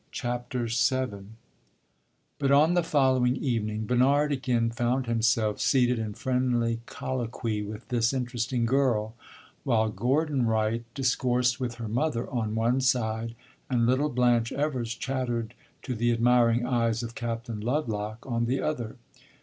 CHAPTER VII But on the following evening, Bernard again found himself seated in friendly colloquy with this interesting girl, while Gordon Wright discoursed with her mother on one side, and little Blanche Evers chattered to the admiring eyes of Captain Lovelock on the other.